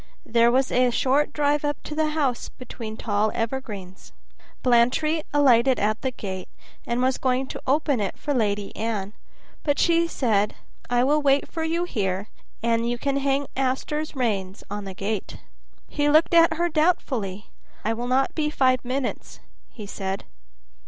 There was a short drive up to the house between tall evergreens. Blantyre alighted at the gate, and was going to open it for Lady Anne, but she said, "I will wait for you here, and you can hang Auster's rein on the gate." He looked at her doubtfully. "I will not be five minutes," he said.